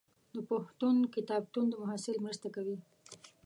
د پوهنتون کتابتون د محصل مرسته کوي.